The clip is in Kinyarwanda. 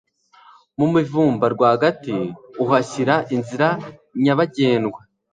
mu mivumba rwagati uhashyira inzira nyabagendwa